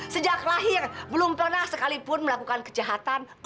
sejak lahir belum pernah sekalipun melakukan kejahatan